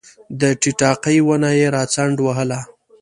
د ټیټاقې ونه یې راڅنډ وهله